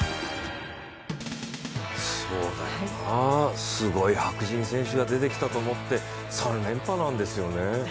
そうだよなあ、すごい白人選手が出てきたと思って３連覇なんですよね。